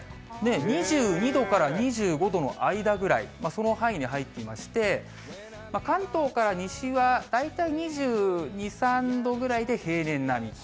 ２２度から２５度の間ぐらい、その範囲に入っていまして、関東から西は、大体２２、３度ぐらいで平年並み。